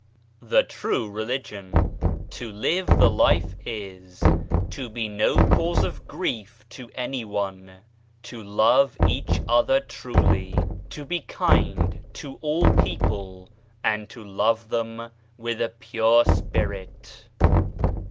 THE TRUE RELIGION " To live the life is :" To be no cause of grief to anyone, to love each other truly. " To be kind to all people, and to love them with a pure spirit.